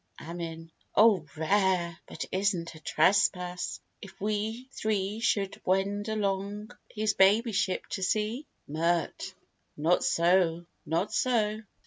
AMIN. O rare! But is't a trespass, if we three Should wend along his baby ship to see? MIRT. Not so, not so.